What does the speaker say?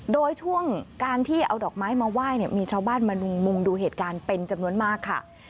โดยช่วงการที่เอาดอกไม้มาไหว้เนี่ยมีชาวบ้านมามุงดูเหตุการณ์เป็นจำนวนมากค่ะ